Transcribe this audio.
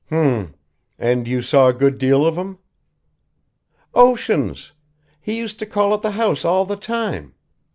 "H m! And you saw a good deal of him?" "Oceans! He used to call at the house all the time.